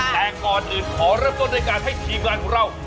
แต่ก่อนอื่นขอเริ่มต้นด้วยการให้ทีมงานของเรา